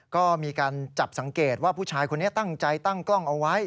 ก็มีการจับสังเกตว่าผู้ชายคนนี้ตั้งใจตั้งกล้องเอาไว้